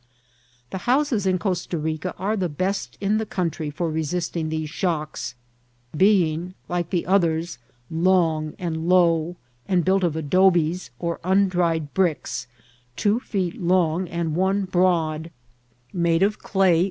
The houses in Costa Ric^ are the best in the country for resisting these shocks, bemg, like the others, long and low, and built of 'adobes, or undried bricks, two feet long and one broad, made of 884 INCIDBKTI or TEAYXL.